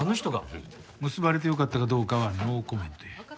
うん。結ばれてよかったかどうかはノーコメントや。